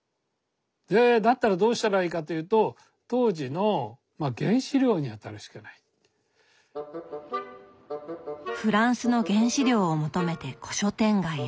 でだったらどうしたらいいかというとフランスの原資料を求めて古書店街へ。